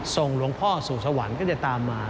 หลวงพ่อสู่สวรรค์ก็จะตามมา